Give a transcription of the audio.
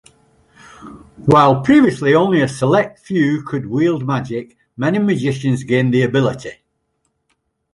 While previously only a select few could wield magic, many magicians gained the ability.